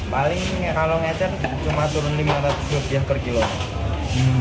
paling kalau ngecer cuma turun rp lima ratus per kilogram